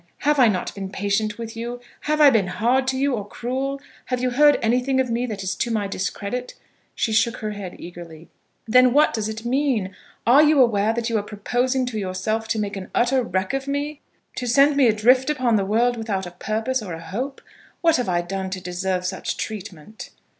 Have I not been patient with you? Have I been hard to you, or cruel? Have you heard anything of me that is to my discredit?" She shook her head, eagerly. "Then what does it mean? Are you aware that you are proposing to yourself to make an utter wreck of me to send me adrift upon the world without a purpose or a hope? What have I done to deserve such treatment?"